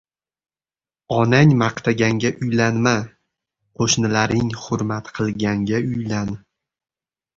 • Onang maqtaganga uylanma, qo‘shnilaring hurmat qilganga uylan.